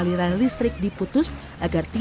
berapa senti juga ini